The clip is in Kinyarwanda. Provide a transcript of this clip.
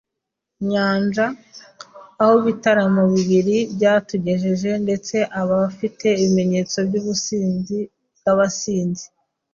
nyanja, aho ibitaramo bibiri byadutegereje. Ndetse aba bafite ibimenyetso byubusinzi bwabasinzi